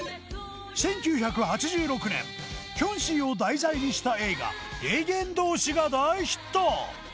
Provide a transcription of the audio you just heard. １９８６年キョンシーを題材にした映画『霊幻道士』が大ヒット